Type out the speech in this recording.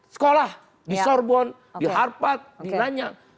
sekolah di sorbon di harpat di nanya